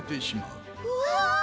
うわ！